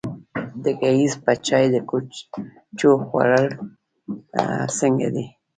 د ګیځ په چای د کوچو خوړل څنګه دي؟